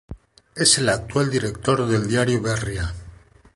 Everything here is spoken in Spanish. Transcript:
Es el actual director del diario Berria.